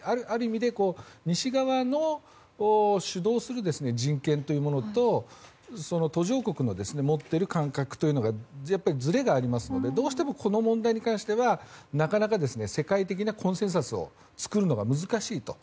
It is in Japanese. ある意味で西側の主導する人権というものと途上国の持っている感覚にずれがありますのでどうしても、この問題に関してはなかなか世界的なコンセンサスを作るのが難しい。